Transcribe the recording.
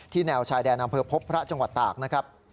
แนวชายแดนอำเภอพบพระจังหวัดตากนะครับ